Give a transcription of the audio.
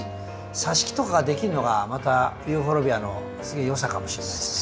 さし木とかができるのがまたユーフォルビアのよさかもしれないですね。